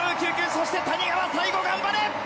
そして谷川、最後頑張れ！